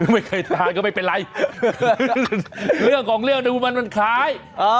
ไม่เคยทานก็ไม่เป็นไรเรื่องของเรื่องดูมันมันคล้าย